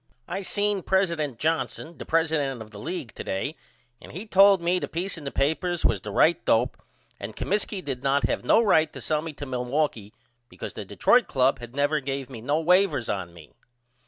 I seen president Johnson the president of the league to day and he told me the peace in the papers was the right dope and Comiskey did not have no right to sell me to Milwaukee because the Detroit Club had never gave no wavers on me.